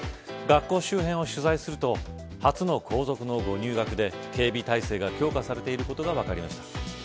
学校周辺を取材すると初の皇族のご入学で警備体制が強化されていることが分かりました。